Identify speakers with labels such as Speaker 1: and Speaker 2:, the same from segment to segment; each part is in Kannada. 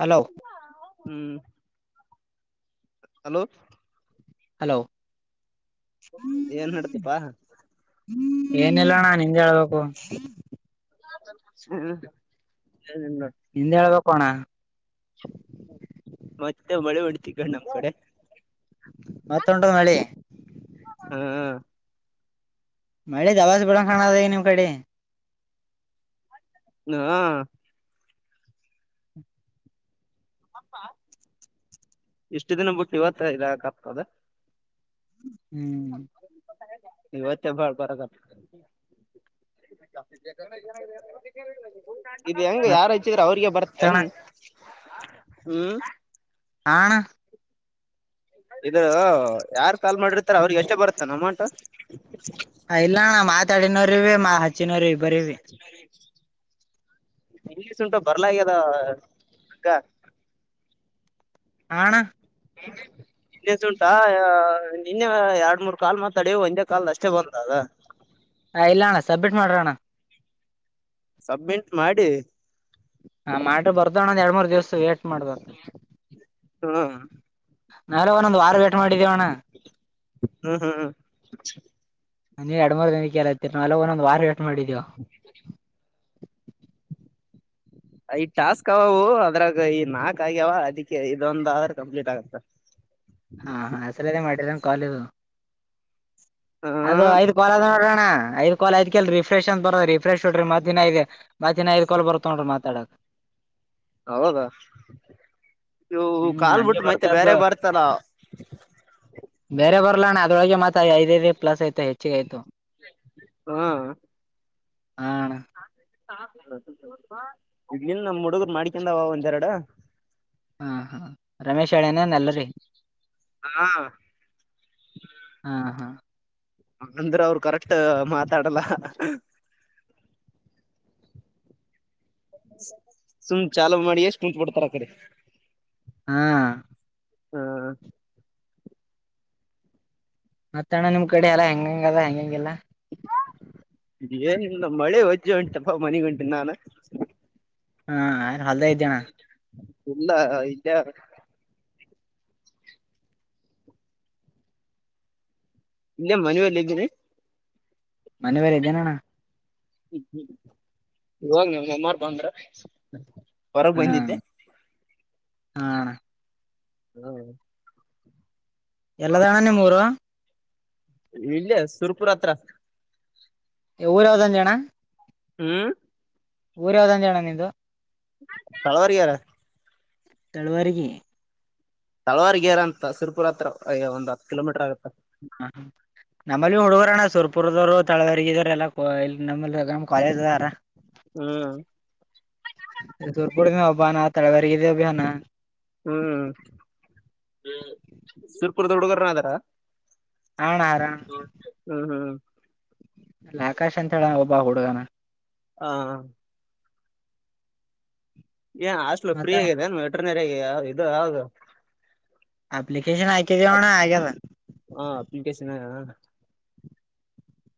Speaker 1: ಹಲೋ
Speaker 2: ಹ್ಮ್ ಹಲೋ
Speaker 1: ಹಲೋ
Speaker 2: ಏನ್ ನಡ್ದಪ್ಪಾ
Speaker 1: ಏನಿಲ್ಲಣ್ಣ ನಿಂ ಹೇಳ್ಬೇಕು
Speaker 2: ಹ್ಮ್
Speaker 1: ಪ್ಪಣ
Speaker 2: ಮತ್ತೆ ಮಳೆ ಹೊಡ್ತಗ ನಮ್ ಕಡೆ
Speaker 1: ಮತ್ತ ಉಂಟದ್ ಮಳಿ
Speaker 2: ಹಾ
Speaker 1: ಮಳೆ ದವಸ್ ಬಿಡ ಕಾಣದ ಈ ನಿಮ್ ಕಡೆ
Speaker 2: ಹಾ ಇಷ್ಟು ದಿನ ಬಿುಟ್ಟ ಇವತ್ತ ಇದಾಕ ಆಗ್ತದೆ
Speaker 1: ಹ್ಮ್
Speaker 2: ಇವತ್ತ ಭಾಳ್ ಬರ ಹ ಇದು ಹೆಂಗ ಯಾರ ಇಚ್ಚಿದ್ರ ಅವ್ರಿಗೆ
Speaker 1: ಮತ್ತಣ
Speaker 2: ಬರ್ತ್ತೇನ್ ಹ್ಮ್
Speaker 1: ಹಣ
Speaker 2: ಇದ ಯಾರ್ ಸಾಲ್ ಮಾಡಿರ್ತಾರ ಅವ್ರಿಗೆ ಎಷ್ಟು ಬರ್ತ್ತಾನ ಅಮೌಂಟ್
Speaker 1: ಹ ಇಲ್ಲಣ್ಣ ಮಾತಾಡಿನವ್ರ ಇಿವ ಮಾ ಹಚ್ಚಿನವ್ರ ಇ ಬರಿೀವಿ
Speaker 2: ಇಂಗ್ಲಿಸ್ ಉಂಟು ಬರ್ಲ್ಯದ ಅಕ್ಕ
Speaker 1: ಹಣ
Speaker 2: ಹ್ಮ ನಿನ್ನೆ ಸುಂಟಾ ನಿನ್ನೆ ಎರಡ್ ಮೂರ್ ಕಾಲ್ ಮಾತಾಡಿ ಒಂದೇ ಕಾಲ್ದ ಅಷ್ಟೇ ಬಂದ ಅಧ
Speaker 1: ಹ ಇಲ್ಲ ಅಣ್ಣ ಸಬ್ಮಿಟ್ ಮಾಡ್ರಣ್ಣ.
Speaker 2: ಸಬ್ಮಿಂಟ್ ಮಾಡಿ.
Speaker 1: ಹಾ ಮಾಡ್ರ ಬರ್ದಣ್ಣಂದ ಎರಡ್ ಮೂರ್ ದಿವ್ಸ ವೇಟ್ು.
Speaker 2: ಹಾ [inaudible]
Speaker 1: ನಾೆ ಒಂದೊಂದ ವೇಟ್ ಮಾಡಿ
Speaker 2: ಹ್ಮ್ ಹ್ಮ್ ಹ್ಮ
Speaker 1: ನೀ ಎರಡು ಮೂರು ದಿನಕ್ಕೆಲ್ಲತಿರ ನ ಅಲ್ಲ ಒಂದೊಂದ್ ವಾರ ವೇಟ್ ಮಾಡಿದೀವ
Speaker 2: ಈ ಟಾಸ್ಕ್ ಅವವು ಅದ್ರಾಗ ಈ ನಾಕ್ ಆಗ್ಯಾವ ಅದಕ್ಕೆ ಇದೊಂದ ಆದ್ರ ಕಂಪ್ಲೀಟ್ ಆಗತ್ತ ಹ
Speaker 1: ಹಾ ಹ ಆ ಸಲದೇ ಮಾಡಿದ್ರಂಗ ಕಾಲದು
Speaker 2: ಹ
Speaker 1: ಅದು ಐದ್ ಕಲ್ ಅ ನೋಡ್ರಣ ಐ್ ಕಾಲ್ ದ್ಕಲ್ ರಿಫ್ರೆಶ್ ಅಂತ ಬರೋದು ರಿಫ್ರೆಶ್ ಹೊಡ್ರಿ ಮತ್ತ ಇ ಇ್ ಬಾತಿನ ಎರ್ಕಲ್ ಬರ್ತೊಂಡ್ರಿ ಮಾತಾಡಕ್
Speaker 2: ಹೌದಾ ಇವು
Speaker 1: ಹ್ಮ್ ಹಂಗೆ
Speaker 2: ಕಾಲ್ಬಿಟ್ಟು ಮತ್ತೆ
Speaker 1: ಬರ್ತಾ
Speaker 2: ಬೇರೆ
Speaker 1: ಇದ್ದು
Speaker 2: ಬರ್ತಲ್ಲ
Speaker 1: ಲ್ಲಣ ಅದೊಳಗೆ ಮಾತ್ರ ಐದ ಪ್ಲಸ್ ಆಯತು ಹೆಚ್ಚಿಗೆ ಆ್ತು
Speaker 2: ಹಾ
Speaker 1: ಹ
Speaker 2: ಇನ್ ನಮ್ ಹುಡುಗರು ಮಾಡ್ಕೊಂಡಾವ ಒಂದೆರಡ
Speaker 1: ಹಾ ಹಾ ರಮೇಶ್ ಹೇಳೇನೆೇ ಎಲ್ಲರಿ
Speaker 2: ಹಾ
Speaker 1: ಹಾ ಹಾ
Speaker 2: ಅಂದ್ರೆ ಅವರು ಕರೆಕ್ಟ್ ಮಾತಾಡಲ್ಲ ಸುಮ್ ಚಾಾಲೂ ಮಾಡಿ ಎಷ್ಟು ಉಂಟ ಪಡ್ತಾರ ಆ ಕಡೆ
Speaker 1: ಹಾ
Speaker 2: ಹಾ
Speaker 1: ಮತ್ತ ಅಣ್ಣ ನಿಮ್ ಕಡೆ ಎಲ್ಲಾ ಹೆಂಗಂಗ ಅದ ಹೆಂಗಂಗಗೆಿಲ್ಲಾ
Speaker 2: ಇದ ಏನ್ ಮಳೆ ಹೊಜ್ಜೆ ಉಂಟಪ್ಪ ಮನಗ್ ಉಂಟ ನಾನ
Speaker 1: ಹಾ ಯಾರು ಹೊಲ್ದ ಐದ್ದ್ಯಣ
Speaker 2: ಇಲ್ಲ ಇಲ್ಲ ಇಲ್ಲ ಮನವಲ್ಲ ಇದ್ದೀನೆ
Speaker 1: ಮನೆ ಬೇರೆ ಇದ್ದೇನಣ್ಣ
Speaker 2: ಹ್ಮ್ಮ ಇವಾಗ್ ನ ಮಮ್ಮಾರ್ ಬಂದ್ರ ಹೊರಗೆ
Speaker 1: ಹಾ
Speaker 2: ಬಂದಿದ್ದೆ
Speaker 1: ಹಾ
Speaker 2: ಹ್ಮ್
Speaker 1: ಎಲ್ಲದಣ್ಣನ ಮೂರು
Speaker 2: ಇಲ್ಲಿಯ ಸುರ್ಪುರ ಹತ್ರ
Speaker 1: ಊರ ಯಾವ್ದೊ ಒಂದ್ ಜನ
Speaker 2: ಹ್ಮ್
Speaker 1: ಊರ ಯಾವದಂದ ಜಣ ನಿಂದು
Speaker 2: ತಳವಾರಗಾರ
Speaker 1: ತಳುವಾರಿಗೆ
Speaker 2: ತಳವಾರಗೇರ ಅಂತ ಸರ್ಪುರ್ ಹತ್ರ ಒಂದ್ ಹತ್ತು ಕಿಲೋಮೀಟರ್ ಆಗುತ್ತೆ
Speaker 1: ಹ ಹ ನಮ್ಮಲ್ಲಿ ಹುಡುಗರಣ್ಣ ಸುರ್ಪುರದವರು ತಳವರ್ಗಿದ್ರ ಎಲ್ಲ ನಮ್ಮ ಪಾಯ ಹಾರ
Speaker 2: ಹ್ಮ್
Speaker 1: ತೂರ್ಗೂಡ ಹಬಾನ ತಳವಾರಗ ಅಭಾನ
Speaker 2: ಹ್ಮ್ ಶರ್ಪುರ್ದ ಹುಡುಗರನದಾರ
Speaker 1: ಹಣ ಆರಾಮ
Speaker 2: ಹ್ಮ್
Speaker 1: ಅಲ್ಲ ಆಕಾಶ್ ಅಂತ ಹೇಳಣ ಒಬ್ಬ ಹುಡುಗನ
Speaker 2: ಹ ಏ ಹಾಸ್ಟ್ಲ್
Speaker 1: ಮತ್ತ
Speaker 2: ಫ್ರೀ ಆಗಿದೆಾನ ಎಟರನೇರ ಆಗ ಇದು ಹಾಗು
Speaker 1: ಅಪ್ಲಿಕೇಶನ್ ಆಯ್ಕ ಜಣ ಆಗದ
Speaker 2: ಹ ಅಪ್ಲಿಕೇಶನ್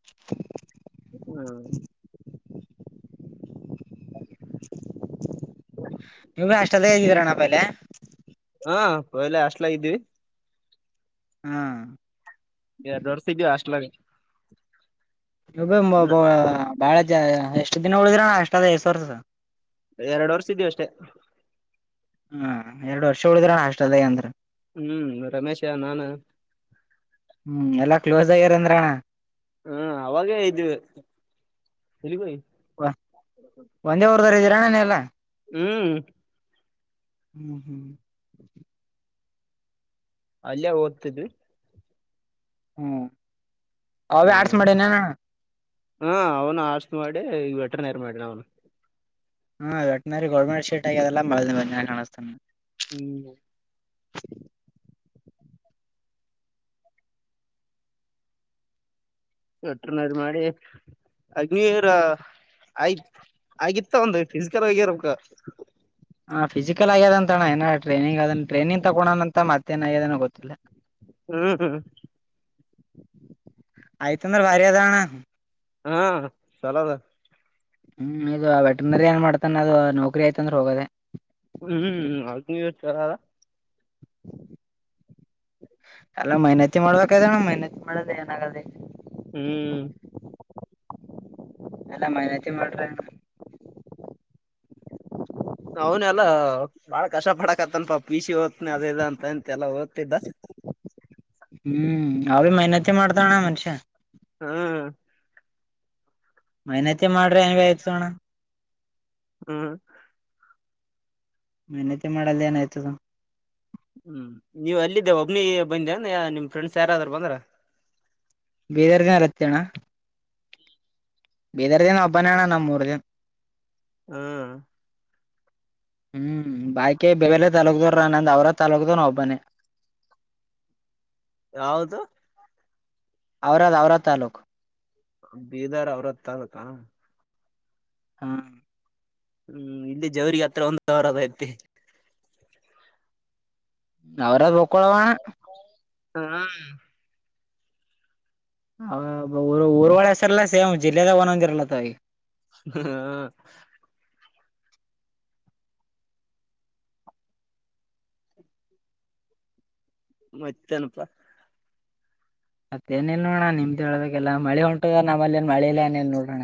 Speaker 1: [unintelligible]
Speaker 2: ಹ್ಮ್
Speaker 1: ನೀವು ಅಷ್ಟಲ್ಲ ಹೇಗಿದ್ದೀರಣ್ಣ ಪಲೆ
Speaker 2: ಹಾ ಪಯಲೆ ಅಷ್ಟಲ ಇದ್ದೀವಿ
Speaker 1: ಹ್ಮ್
Speaker 2: ಎಡ್ಡು ದರ್ಸ ಇದೀವ ಅಷ್ಟಲಾಗ
Speaker 1: ಬಾಳ ಜ ಎಷ್ಟು ದಿನ ಉಳಿದ್ರ ನ ಅಷ್ಟದ ಎಷ್ಟ ವರ್ಸ
Speaker 2: ಎರಡು ವರ್ಷ ಇದ್ದೀವಿ ಅಷ್ಟೆ
Speaker 1: ಹಾ ಎರಡ್ ವರ್ಷ ಉಳಿದ್ರಣ ಹಾಸ್ಟಲ್ದಾಗ ಅಂದ್ರ
Speaker 2: ಹ್ಮ್ ರಮೇಶ ನಾನ
Speaker 1: ಹ್ಮ್ ಎಲ್ಲಾ ಕ್ಲೋಸ್ ಆಗ್ಯರಂದ್ರಣ್ಣ
Speaker 2: ಹ್ಮ ಅವಾಗೇ ಇದ್ದವಿ ಎಲ್ಲಿಗಯ
Speaker 1: ಒಂದೇ ರ್ದರ ಇದೀರ ನೀವು ಎಲ್ಲ
Speaker 2: ಹ್ಮ್
Speaker 1: ಹ್ಮ್ ಹ್ಮ್
Speaker 2: ಅಲ್ಲಯ ಓದ್ತಿದ್ವಿ
Speaker 1: ಹ್ಮ್ ಆರ್ಸ್
Speaker 2: ಹ್ಮ್
Speaker 1: ಮಾಡೆ ನ
Speaker 2: ಹಾ ಅವನು ಆಸ್ ಮಾಡಿ ವಟ್ರನರ್ ಮಾಡ ಅವನು
Speaker 1: ಹಾ ವೆಟನರಿ ಗೋಲ್ಮೆಟ್ ಶೀಟ್ ಆಗಿ ಅದೆಲ್ಲಾ ಬಳ ಬ್ ಕಾಣಿಸಸ್ತಾನೆ
Speaker 2: ಹ್ಮ್
Speaker 1: [unintelligible]
Speaker 2: ಒಟ್ರನದ ಮಾಡಿ ಅಗ್ನಿರ ಆಯ್ತ್ ಆಗಿತ್ತ ಒಂದು ಫಿಸಿಕಲ್ ಆಗಿರಕ್ಕ
Speaker 1: ಹಾಂಫಿಸಿಕಲ್ ಆಗ್ಯದ ಅಣ ಏ ಟ್ರನಂಗ್ ಅದ ಟ್ರೈನಿಂಗ್ ತಗೋಣ ಅಂತ ಮತ್ತೇನ ಆಗ್ಯದನೋ ಗೊತ್ತಿಲ್ಲ
Speaker 2: ಹ್ಮ್ ಹ್ಮ್
Speaker 1: ಆಯ್ತಂದರೆ ಭಾರಿ ಅದಣ
Speaker 2: ಹಾ ಚಲದ
Speaker 1: ಹ್ಮ್ ಇದು ವೆಟನರಿ ಏನ್ ಮಾಡ್ತಾನ ಅದು ನೌಕರಿ ಆಯ್ತಂದ್ರೆ ಹೋಗೋದೆ
Speaker 2: ಹ್ಮ್ ಅವ ನೀಚರ
Speaker 1: ಅಲ್ಲ ಮೆನತಿ ಮಾಡ್ಬೇಕಣ ಮೆನತಿ ಮಾಡೋದ ಏನಾಗಾದ
Speaker 2: ಹ್ಮ್
Speaker 1: ಎಲ್ಲಾ ಮನತಿ ಮಾಡ್ರಿ
Speaker 2: ಅವನ ಅಲ್ಲ ಬಾಳ ಕಷ್ಟ ಪಡಕತ್ತನ್ ಪಾಪ ಪಿಸಿ ಓದ್ತನಿ ಅದೇದ ಅಂತ ಅಂತೆ ಎಲ್ಲ ಓದ್ತಿದ್ದ
Speaker 1: ನಾ ಮಹನತಿ ಮಾಡ್ತಣ್ಣ ಮನುಷ್ಯ
Speaker 2: ಹಾ
Speaker 1: ಮೈನತಿ ಮಾಡ್ರಿ ಏನ್ವಿ ಆಯ್ತೋಣ
Speaker 2: ಹ್ಮ
Speaker 1: ಮೆಹನತಿ ಮಾಡಲ್ ಏನ ಆಯ್ತದ
Speaker 2: ಹ್ಮ್ ನೀವ್ ಅಲ್ಲಿದ್ದೇ ಒಬ್ನಿ ಬಂದೇಂದ ನಿಮ್ ಫ್ರೆಂಡ್ಸ್ ಯಾರಾದ್ರರು ಬಂದ್ರ
Speaker 1: ಬೀದರ್ಗನ ರತ್ಯಣ ಭೀದರದ ಒಬ್ಬನಣ ನಮ್ಮೂರ್ಜನ್
Speaker 2: ಹ್ಮ್
Speaker 1: ಹ್ಮ್ ಬಾಕೇ ಬೇರ್ ಬೇರಲೇ ತಾಲೂಕ್ ದೋರಾ ನಂದ ಔರಾದ್ ತಾಲೂಕ್ನಂವ ನ ಒಬ್ಬನೇ.
Speaker 2: ಯಾವದು
Speaker 1: ಔರಾದ್ ಔರಾದ್ ತಲ್ಲೂಕು
Speaker 2: ಬೀದರ್ ಅವ್ರತ್ ತಾಲೂಕ
Speaker 1: ಹಾ
Speaker 2: ಹ್ಮ್ ಇಲ್ಲಿ ಜವರಿಗೆ ಹತ್ರ ಒಂದರದ ಐತಿ
Speaker 1: ಅವರ್ದ್ ಹಕ್ಕೊಳವಣ
Speaker 2: ಹಾ
Speaker 1: ಊರ್ವಳ ಅಷ್ಟಲ್ಲ ಸೇಮ್ ಜಿಲ್ಲೆದಾಗ ಒನ್ದಿರಲತ್ತ ಅವ
Speaker 2: ಹ್ ಹ್ಮ. ಮತ್ತೇನಪ್ಪಾ.
Speaker 1: ಮತ್ತೇನ ಇಲ್ಲೊಣ ನಿಮ್ದೆ ಹೇಳಬೇಕೆಲ್ಲಾ ಮಳಿ ಹೊಂಟದ ನಮ್ಮಲೆನ್ ಮಳಿ ಇಲ್ಲ ಏನ್ ಇಲ್ ನೋಡಣ.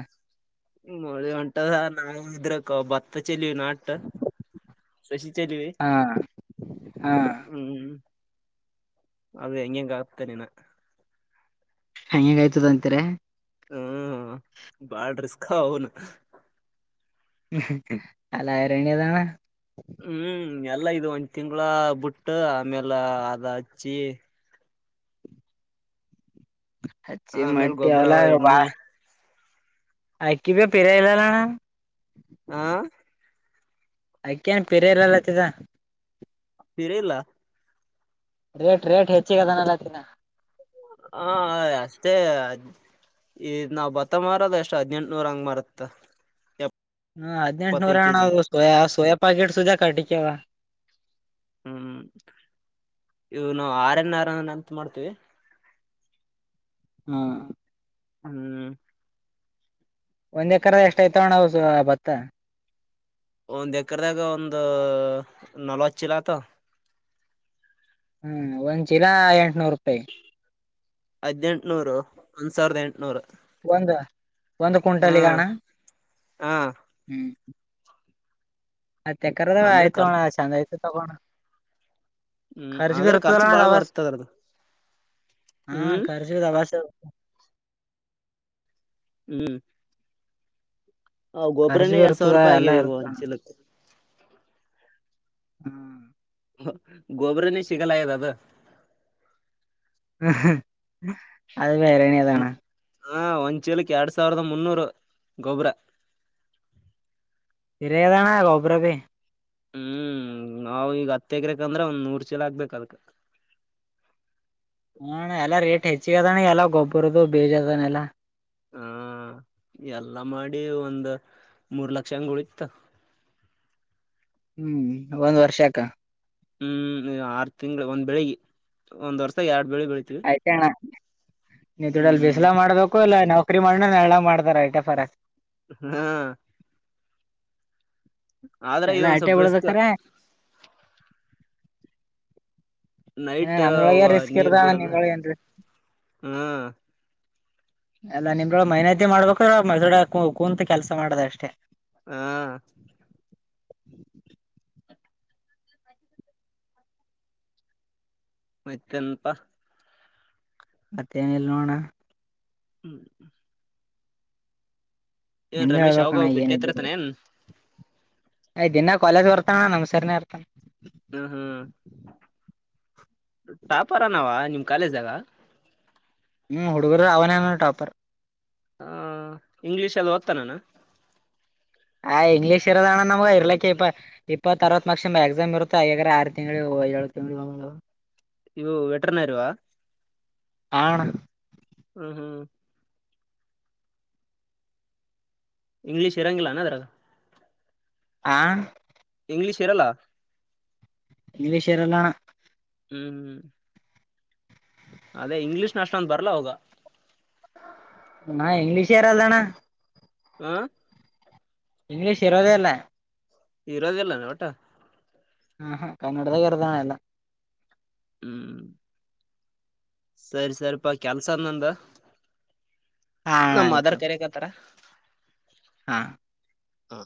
Speaker 2: ಮಳಿ ಹೊಂಟದ ನಾವು ಇದ್ರಕ ಭತ್ತ ಚೆಲ್ಲಿವಿ ನಾಟ್. ರೆಷಿ ಚೆಲ್ಲಿವಿ
Speaker 1: ಹಾ ಹಾ
Speaker 2: ಹ್ಮ್. ಅದು ಹೆಂಗೆಗ್ ಆತೆನ್ ಹಿನಾ.
Speaker 1: ಹೆಂಗೆಗ್ ಐಯ್ತದ ಅಂತೀರ್ಯ.
Speaker 2: ಹ್ಮ ಬಾಳ್ ರಿಸ್ಕ್ ಅವನ್.
Speaker 1: ಹ್ಮ ಅಲ್ಲ ಹೈರಾಣೆ ಅದಣ್ಣಾ.
Speaker 2: ಹ್ಮ್ ಎಲ್ಲ ಇದು ಒಂದ್ ತಿಂಗ್ಗಳ ಬುಟ್ಟ ಆಮ್ಯಾಲ ಅದ ಹಚ್ಚಿ.
Speaker 1: ಹಚ್ಚಿ
Speaker 2: ಆಮೇಲ್
Speaker 1: ಮಟ್ಟಿ
Speaker 2: ಗೊಬ್ಬರ
Speaker 1: ಅವೆಲ್ಲ
Speaker 2: ಎಣ್ಣಿ
Speaker 1: ಬಾಳ್ ಅಕ್ಕಿವೆ ಪಿರೆ ಇರಲ್ ಅಣ್ಣಾ.
Speaker 2: ಹಾ
Speaker 1: ಅಕ್ಕಿ ಎನ್ ಪಿರೆ ಇಲ್ಲ ಅಲ್ಲತಿದ.
Speaker 2: ಪಿರೇ ಇಲ್ಲ.
Speaker 1: ರೇಟ್ ರೇಟ್ ಹೆಚ್ಚಿಗ ಅದಾ ಅಲ್ಲತಿದಾ.
Speaker 2: ಹ ಆಯ ಅಸ್ ತ್ತೆ ಈ ನಾವ್ ಭತ್ತ ಮಾರದ ಏಷ್ಟ ಹದ್ನೆಂಟುನೂರ ಹಂಗ ಮಾರತ್ತ.
Speaker 1: ಹಾ ಹದ್ನೆಂಟುನೂರೆ
Speaker 2: ಎಪ್ಪತ್ತೈದ್
Speaker 1: ಅಣ್ಣಾ
Speaker 2: ಕೆಜಿ
Speaker 1: ಅದು ಸೋಯಾ ಸೋಯಾ ಪಾಕಿಟ್ ಸುದ್ದ್ಯಕ್ ಅಟ್ಟಿಕೆ ಅವಾ.
Speaker 2: ಹ್ಮ್ ಇವು ನಾವ್ ಆರ್ಯನ್ ಆರನ್ ನಂತ ಮಾಡ್ತೀವಿ.
Speaker 1: ಹಾ
Speaker 2: ಹ್ಮ್
Speaker 1: ಒಂದ್ ಎಕ್ಕರದಾಗ ಎಷ್ಟ ಐತವಣ್ಣ ಅವು ಸೊ ಬತ್ತ.
Speaker 2: ಒಂದ್ ಎಕ್ರದಾಗ ಒಂದ ನಲ್ವಚ್ಚಿಲ್ಲತಾವ.
Speaker 1: ಹ್ಮ್ ಒಂದ್ ಚಿಲಾ ಎಂಟನೂರ ರೂಪಾಯಿ.
Speaker 2: ಹದ್ನೆಂಟ್ನೂರು ಒಂದ್ ಸಾವಿರದ ಎಂಟನೂರು.
Speaker 1: ಒಂದ ಒಂದ ಕುಂಟಲಿಗ್
Speaker 2: ಹ್ಮ್
Speaker 1: ಅಣ್ಣಾ
Speaker 2: ಹಾ
Speaker 1: ಹ್ಮ್. ಹತ್ತ ಎಕ್ಕರಾದ
Speaker 2: ಅಂದ್ರೆ
Speaker 1: ಆಯ್ತೋಣ
Speaker 2: ಖರ್ಚ್
Speaker 1: ಚಂದ ಆಯ್ತು ತಗೋಣ.
Speaker 2: ಹ್ಮ್
Speaker 1: ಖರ್ಚ ಬಿ
Speaker 2: ಅಂದ್ರೆ ಖರ್ಚು
Speaker 1: ಇರತದಲಾ ಅಣ್ಣಾ
Speaker 2: ಬಾಳ್
Speaker 1: ದಬಾಸ್.
Speaker 2: ಬರ್ತದ ಅದ್ರದ್ದು
Speaker 1: ಹಾ
Speaker 2: ಹ್ಮ್
Speaker 1: ಕರ್ಚಬಿ ದಬಾಸ್ ಇರ್
Speaker 2: ಹ್ಮ್ ಅವ್
Speaker 1: ಖರ್ಚು
Speaker 2: ಗೊಬ್ರನೇ
Speaker 1: ಬಿ
Speaker 2: ಎರಡ್ ಸಾವಿರ
Speaker 1: ಇರ್ತದ
Speaker 2: ರೂಪಾಯಿ
Speaker 1: ಎಲ್ಲಾ
Speaker 2: ಆಗ್ಯವ ಇವಗ್ ಒಂದ
Speaker 1: ಇರ್ತದಣ
Speaker 2: ಚೀಲಕ್.
Speaker 1: ಹ್ಮ್
Speaker 2: ಹ್ ಗೊಬ್ರನೆ ಸಿಗಲಾಗ್ಯದ ಅದ.
Speaker 1: ಹ್ ಹ್ ಅದುಬಿ ಹೈರಾಣೆ ಅದಾ ಅಣ್ಣಾ.
Speaker 2: ಹಾ ಒಂದ್ಚೀಲಕ್ಕ ಎರಡ್ ಸಾವಿರದ ಮುನ್ನೂರು ಗೊಬ್ಬ್ರ.
Speaker 1: ಪಿರೆ ಅದಣ ಗೊಬ್ರಬಿ.
Speaker 2: ಹ್ಮ್ ನಾವ್ ಈಗ ಹತ್ತ ಎಕ್ರೆಕ್ ಅಂದ್ರ ಒಂದ್ ನೂರ ಚೀಲಾ ಹಾಗ್ಬೇಕ ಅದಕ್. [inaudible]
Speaker 1: ಹ್ಮ್ ಅಣ್ಣ ಎಲ್ಲಾ ರೇಟ್ ಹೆಚ್ಚಿಗಿ ಅದಣ ಎಲ್ಲ ಗೊಬ್ಬರುದು ಬೀಜ ಅದಾನೆಲ್ಲಾ.
Speaker 2: ಹಾ ಎಲ್ಲಾ ಮಾಡಿ ಒಂದ್ ಮೂರ್ ಲಕ್ಷ ಹಂಗ ಉಳಿತ.
Speaker 1: ಹ್ಮ್ ಹ್ಮ್ ಒಂದ್ ವರ್ಷಕ್ಕ.
Speaker 2: ಹ್ಮ್ ಆರ್ ತಿಂಗಳ ಒಂದ್ ಬೆಳಿಗ್ ಒಂದ್ ವರ್ಷ ಎರಡ
Speaker 1: ಐತ್ತೇ ಅಣ್ಣ ನೀವ್ ದುಡ್ಯಾಲ್
Speaker 2: ಹ್ಮ್
Speaker 1: ಬಿಸ್ಲಾಗ ಮಾಡಬೇಕು ಇಲ್ಲ ನೌಕರಿ ಮಾಡ್ನ ನೆಳ್ಳಾಗ್ ಮಾಡತಾರ ಐಟ್ಯ ಫರಕ್.
Speaker 2: ಹ್ಮ
Speaker 1: ಎಲ್ಲಾ
Speaker 2: ಇದೊಂದ್
Speaker 1: ಐಟೆ
Speaker 2: ಸ್ವಲ್ಪ
Speaker 1: ಬೀಳ್ತಾದ
Speaker 2: ರಿಸ್ಕ್
Speaker 1: ಖರೆ.
Speaker 2: ನೈಟ್
Speaker 1: ನಮ್ರೊಳಗೆ
Speaker 2: ವ
Speaker 1: ರಿಸ್ಕ್
Speaker 2: ನೀರ್
Speaker 1: ಇರ್ದಣ
Speaker 2: ಬುಡದ
Speaker 1: ನಿಮ್ರೊಳ ಏನ್
Speaker 2: ಹಾ.
Speaker 1: ಎಲ್ಲ ನಿಮ್ರೊಳ ಮೈನತಿ ಮಾಡ್ಬೇಕು್ರ ಮೈಸ್ರೊಳ ಕುೂಂತ ಕೆಲ್ಸ ಮಾಡದ ಅಷ್ಟೇ
Speaker 2: ಹಾ ಮತ್ತನಪಾ
Speaker 1: ಮತ್ತೇನ ಎಲ್ಲಣ
Speaker 2: ಹ್ಮ್್ಮ್ ವನ್
Speaker 1: ನಿಂದೆ
Speaker 2: ರಮೇಶ್
Speaker 1: ಹೇಳ್ಬೇಕಣ
Speaker 2: ಅವಾಗ ಭೇಟಿಯಾಗುತ್ತಿರುತ್ತಾನೆ
Speaker 1: ಯ್ ದಿನ ಕಾಲೇಜ್ ಬರ್ತಣ್ಣ ನಮ್ ಸರಿನೇ ಇರ್ತಾನ
Speaker 2: ಹ್ಮ ಹ್ಮ್ ತಪಾರನ ಅವ ನಿಮ ಕಾಲೇಜ್ನಲ್ಲಾ
Speaker 1: ಹ್ಮ್ ಹುಡುಗರು ಅವನೇನ ಟಾಪರ್
Speaker 2: ಹ ಇಂಗ್ಲಿೀಷ್ ಅಲ್ಲಿ ಓಡಿತನನ್ನ
Speaker 1: ಆ ಇಂಗ್ಲೀಷ್ ಇರೋ ಅಣ್ಣ ನಮಗ ಇರ್ಲಿಕ್ಕ ಇಪ್ಪ ಇಪ್ಪತ್ ಅರವತು ಮಾರ್ಕ್ಸ್ ಎಕ್ಸಾಮ್ ಇರುತ್ತ ಹಾಗ್ರ ಆರು ತಿಂಗಳು [unintelligible]
Speaker 2: ಇವು ವೆಟ್ರನರ್ವಾ
Speaker 1: ಆ ಅಣ್ಣ
Speaker 2: ಹ್ಮ್ ಹ್ಮ್ ಇಂಗ್ಲೀಷ್ ಇರಂಗಿಲ್ಲಾನ ಅದ್ರ
Speaker 1: ಆ
Speaker 2: ಇಂಗ್ಲೀಷ್ ಇರಲ್ಲ
Speaker 1: ಇಂಗ್ಲೀಷ್ ಇರಲ್ಲ ಅಣ್ಣ
Speaker 2: ಹ್ಮ್್ಮ ಅದೇ ಇಂಗ್ಲೀಷ್ ನ ಅಷ್ಟೊಂದು ಬರ್ಲ ಹೋಗ
Speaker 1: ನಾ ಇಂಗ್ಲೀಷ್ ಯಾರಲ್ಲ ಅಣ
Speaker 2: ಹ
Speaker 1: ಇಂಗ್ಲೀಷ್ ಇರೋದೇ ಇಲ್ಲೇ
Speaker 2: ಈರೋದ ಎಲ್ಲಾನ ಒಟ
Speaker 1: ಹಾ ಹಾ ಕನ್ನಡದಾಗ ಇರ್ದಣ ಎಲ್ಲ
Speaker 2: ಹ್ಮ್ ಸರಿ ಸರಿಪಾ ಕೆಲ್ಸ ಅಂದಂದ
Speaker 1: ಹಾ ಅಣ್ಣ
Speaker 2: ನಮ್ಮ ಅದರ್
Speaker 1: ಆಯ್ತು
Speaker 2: ಕರೆೇಕತಾರ
Speaker 1: ಹಾ
Speaker 2: ಹಾ